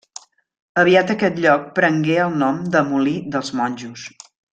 Aviat aquest lloc prengué el nom de molí dels Monjos.